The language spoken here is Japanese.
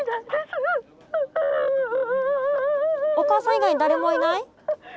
おかあさん以外に誰もいない？